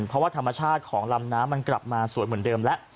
ดัวตาชาติของลำน้ำมันกลับมาสวยเหมือนเดิมแล้ว